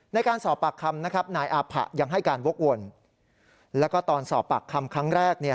ในการสอบปากคำนะครับนายอาผะยังให้การวกวนแล้วก็ตอนสอบปากคำครั้งแรก